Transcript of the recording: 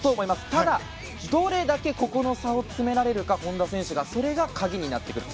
ただ、どれだけここの差を詰められるか本多選手が。それが鍵になってくる。